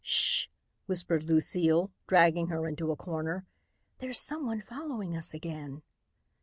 "Sh!" whispered Lucile, dragging her into a corner. "There's someone following us again."